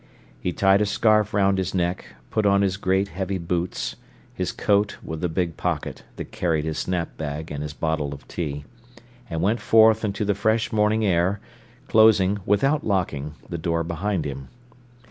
He tied a scarf round his neck, put on his great, heavy boots, his coat, with the big pocket, that carried his snap bag and his bottle of tea, and went forth into the fresh morning air, closing, without locking, the door behind him.